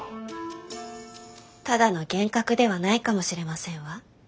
ただの幻覚ではないかもしれませんわ。